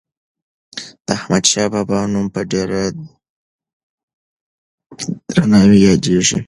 د احمدشاه بابا نوم په ډېر درناوي یادیږي.